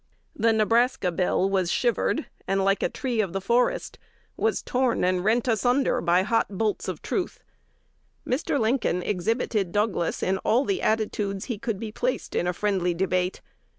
The Nebraska Bill was shivered, and, like a tree of the forest, was torn and rent asunder by hot bolts of truth.... Mr. Lincoln exhibited Douglas in all the attitudes he could be placed in a friendly debate.